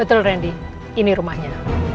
betul randy ini rumahnya